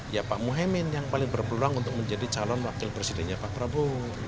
ya pak mohaimin yang paling berpeluang untuk menjadi calon wakil presidennya pak prabowo